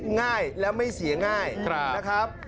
ง่ายและไม่เสียง่ายนะครับ